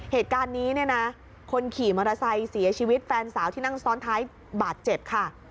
เหตุการณ์นี้เนี่ยนะคนขี่มอเตอร์ไซค์เสียชีวิตแฟนสาวที่นั่งซ้อนท้ายบาดเจ็บค่ะ